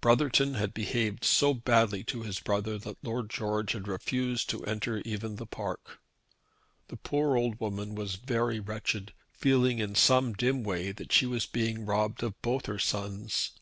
Brotherton had behaved so badly to his brother that Lord George had refused to enter even the park. The poor old woman was very wretched, feeling in some dim way that she was being robbed of both her sons.